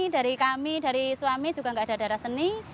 dari kami dari suami juga gak ada darah seni